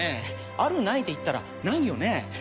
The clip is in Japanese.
あるないで言ったらないよね。